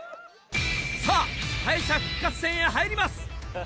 さぁ敗者復活戦へ入ります！